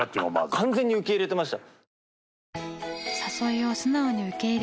完全に受け入れてました。